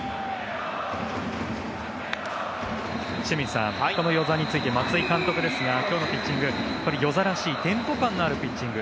清水さん、與座について松井監督ですが今日のピッチング與座らしいテンポ感のあるピッチング。